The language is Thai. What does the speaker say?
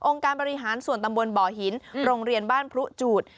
การบริหารส่วนตำบลบ่อหินโรงเรียนบ้านพรุจูด